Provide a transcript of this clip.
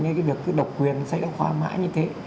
với việc đọc quyền sách giáo khoa mãi như thế